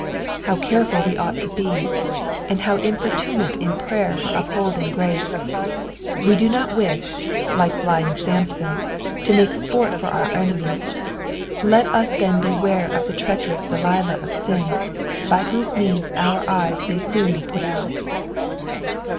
How careful ought we to be, and bow impoKDOsle in prayer for upholding grace ! We do not wish, like blind Samson, to make sport for our enemies ; let us then beware of the treacherous Delilah of sin, by whoso means our eyes may soon be put out.